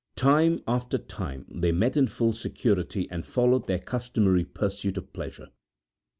Time after time they met in full security and followed their customary pursuit of pleasure.